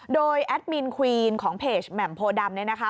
โดยแอดมินควีนของเพจแหม่มโพดำ